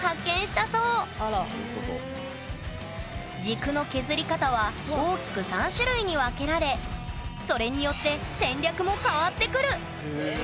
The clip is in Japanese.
軸の削り方は大きく３種類に分けられそれによって戦略も変わってくる！